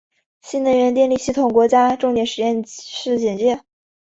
新能源电力系统国家重点实验室简介